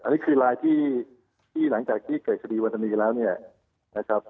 อันนี้คือลายที่หลังจากที่เกิดคดีวันธนีแล้วเนี่ยนะครับ